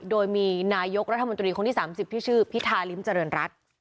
โดยมีนายกรัฐมนตรีคนที่๓๐ที่ชื่อพิธาริมเจริญรัฐ